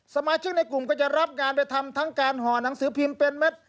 สมาชิกในกลุ่มก็จะรับงานไปทำทั้งการห่อหนังสือพิมพ์เป็นเม็ด